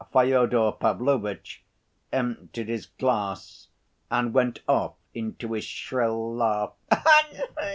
Fyodor Pavlovitch emptied his glass and went off into his shrill laugh.